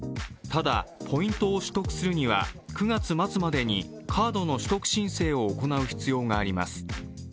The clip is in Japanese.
ただ、ポイントを取得するには９月末までにカードの取得申請を行う必要があります。